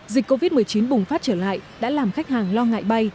dịch covid một mươi chín bùng phát trở lại đã làm khách hàng lo ngại bay